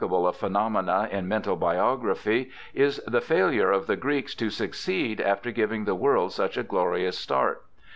328 BIOGRAPHICAL ESSAYS of phenomena in mental biography is the failure of the Greeks to succeed after giving the world such a glorious start.